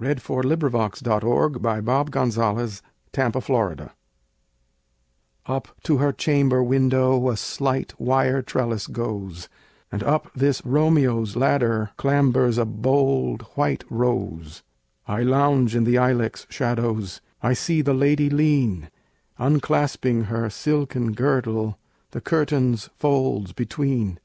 Edward George Earle Bulwer Lytton [1803 1873] NOCTURNE Up to her chamber window A slight wire trellis goes, And up this Romeo's ladder Clambers a bold white rose. I lounge in the ilex shadows, I see the lady lean, Unclasping her silken girdle, The curtain's folds between.